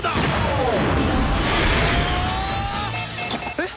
えっ？